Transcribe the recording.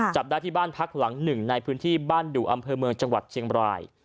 จับได้ที่บ้านพักหลังหนึ่งในพื้นที่บ้านดุอำเภอเมืองจังหวัดเชียงบราย